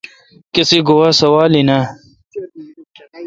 کسی گوا سوال این اؘ۔